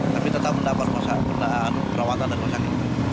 tapi tetap mendapat perawatan dan penyakit